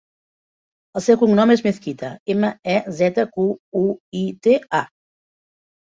El seu cognom és Mezquita: ema, e, zeta, cu, u, i, te, a.